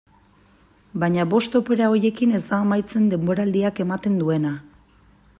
Baina bost opera horiekin ez da amaitzen denboraldiak ematen duena.